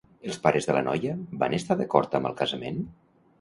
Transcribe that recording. Els pares de la noia van estar d'acord amb el casament?